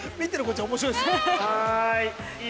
◆はい。